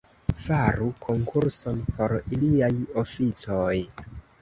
Faru konkurson por iliaj oficoj.